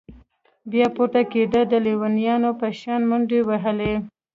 بيا پورته كېده د ليونيانو په شان منډې وهلې.